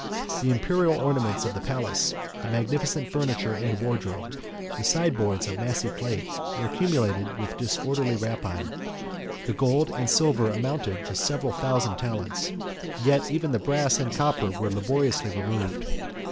The Imperial ornaments of the palace, the magnificent furniture and wardrobe, the sideboards of massy plate, were accumulated with disorderly rapine; the gold and silver amounted to several thousand talents; yet even the brass and copper were laboriously removed.